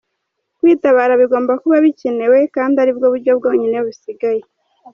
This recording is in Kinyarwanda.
Kwitabara bigomba kuba bikenewe kandi aribwo buryo bwonyine busigaye.